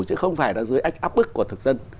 chứ không phải là dưới ách áp bức của thực dân